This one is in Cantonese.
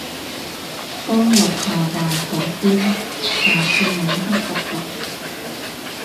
當立下環頭先，下次晚黑 𥄫𥄫